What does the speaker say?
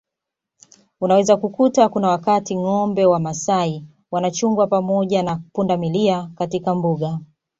Unaweza kukuta kuna wakati ngombe wa Wamasai wanachunga pamoja na pundamilia katika Mbuga